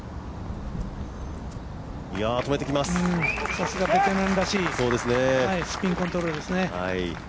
さすが、ベテランらしいスピンコントロールですね。